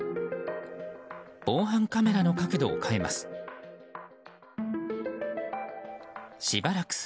防犯カメラの角度を変えます。